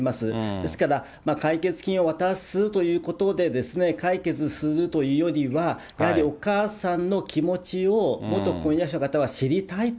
ですから、解決金を渡すということで解決するというよりは、やはり、お母さんの気持ちを元婚約者の方が知りたいと。